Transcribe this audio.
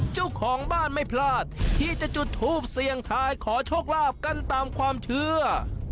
เจ้าของบ้านไม่พลาดที่จะจุดทูปเสี่ยงทายขอโชคลาภกันตามความเชื่อ